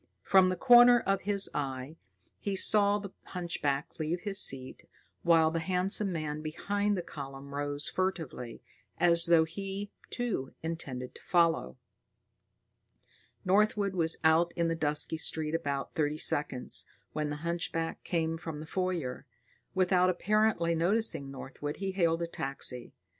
From the corner of his eye, he saw the hunchback leave his seat, while the handsome man behind the column rose furtively, as though he, too, intended to follow. Northwood was out in the dusky street about thirty seconds, when the hunchback came from the foyer. Without apparently noticing Northwood, he hailed a taxi.